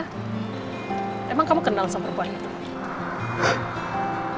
emang kamu kenal sama perempuan itu